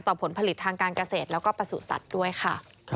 ต่อผลผลิตทางการเกษตรและประสูจน์สัตว์ด้วยค่ะ